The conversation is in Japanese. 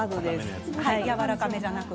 やわらかめじゃなく。